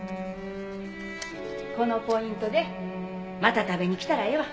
このポイントでまた食べに来たらええわ。